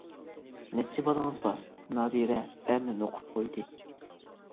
نەچچە بالىڭىز بار؟ نادىرە ئەرنى نوقۇپ قويدى.